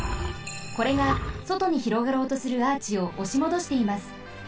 これがそとに広がろうとするアーチをおしもどしています。